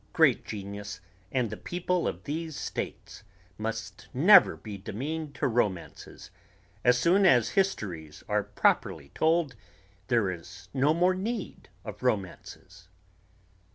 Great genius and the people of these states must never be demeaned to romances. As soon as histories are properly told there is no more need of romances.